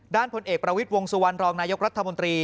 ผลเอกประวิทย์วงสุวรรณรองนายกรัฐมนตรี